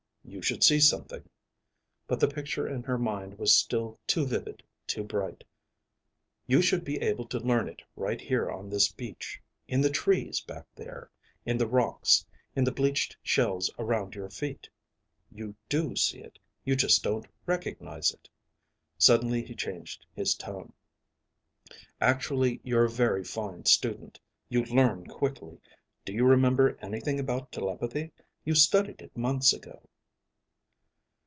"You should see something." But the picture in her mind was still too vivid, too bright. "You should be able to learn it right here on this beach, in the trees back there, in the rocks, in the bleached shells around your feet. You do see it; you just don't recognize it." Suddenly he changed his tone. "Actually you're a very fine student. You learn quickly. Do you remember anything about telepathy? You studied it months ago."